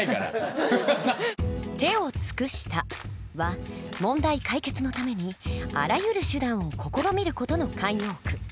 「手を尽くした」は問題解決のためにあらゆる手段を試みる事の慣用句。